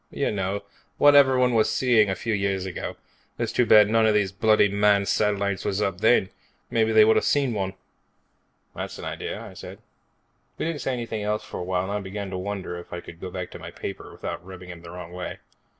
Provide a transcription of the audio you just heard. "You know, what everybody was seeing a few years ago. It's too bad one of these bloody manned satellites wasn't up then. Maybe they would've seen one." "That's an idea," I said. We didn't say anything else for a while and I began to wonder if I could go back to my paper without rubbing him the wrong way.